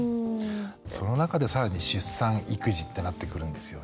その中で更に出産育児ってなってくるんですよね。